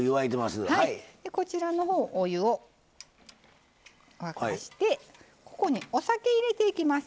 こちらの方お湯を沸かしてここにお酒入れていきます。